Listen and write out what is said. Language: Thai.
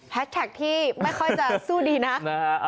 แท็กที่ไม่ค่อยจะสู้ดีนะ